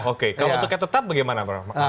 oke kalau tidak tetap bagaimana